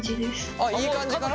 あっいい感じかな？